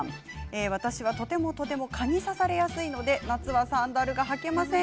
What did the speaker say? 私はとても蚊に刺されやすいので夏はサンダルが履けません。